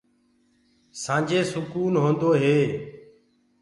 سآنجي سُڪون هوندو هي۔